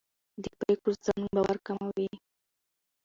د پرېکړو ځنډ باور کموي